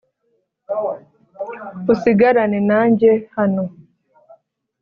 usigarane nanjye hano